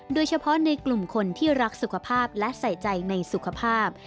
โดยเฉพาะในกลุ่มคนที่รักสุขภาพและใส่ใจในสุขภาพ